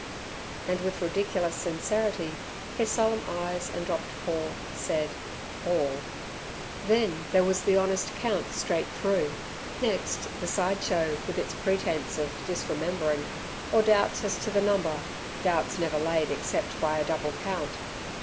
and with ridiculous sincerity his solemn eyes and dropped paw said "All". Then there was the honest count straight through, next the side show with its pretence of "disrememberin'", or doubts as to the number doubts never laid except by a double count.